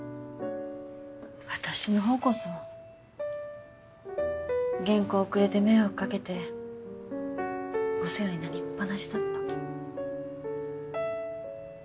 私のほうこそ原稿遅れて迷惑かけてお世話になりっぱなしだった。